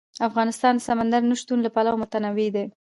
افغانستان د سمندر نه شتون له پلوه متنوع دی.